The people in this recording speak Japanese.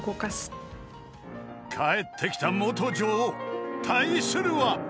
［帰ってきた元女王対するは］